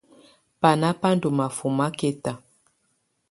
Baná bá ndɔ́ mafɔma kɛta.